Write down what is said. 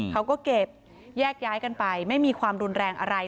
เขาก็เก็บแยกย้ายกันไปไม่มีความรุนแรงอะไร